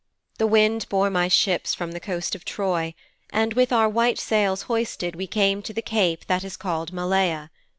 'The wind bore my ships from the coast of Troy, and with our white sails hoisted we came to the cape that is called Malea.